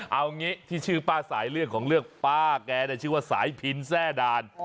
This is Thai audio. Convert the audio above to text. เอางี้ที่ชื่อป้าสายเรื่องของเรื่องป้าแกชื่อว่าสายพินแทร่ด่าน